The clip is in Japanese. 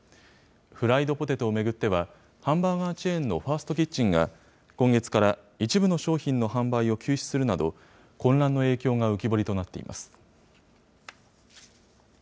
フライドポテトを巡っては、ハンバーガーチェーンのファーストキッチンが、今月から一部の商品の販売を休止するなど、混乱の影響が浮き彫りとなっています。